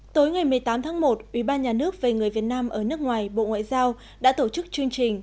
tối ngày một mươi tám tháng một ubnd về người việt nam ở nước ngoài bộ ngoại giao đã tổ chức chương trình